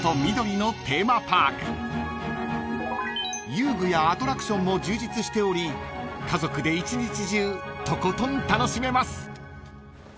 ［遊具やアトラクションも充実しており家族で１日中とことん楽しめます］